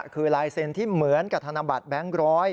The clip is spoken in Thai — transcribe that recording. คือลายเซ็นต์ที่เหมือนกับธนบัตรแบงค์ร้อย